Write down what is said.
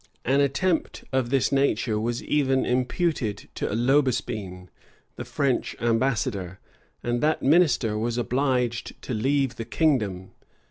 [*] An attempt of this nature was even imputed to L'Aubespine, the French ambassador; and that minister was obliged to leave the kingdom.